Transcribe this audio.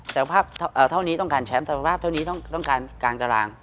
แต่ภาพเท่านี้ต้องการแชมป์ตรภาพเท่านี้ต้องการกลางตาราง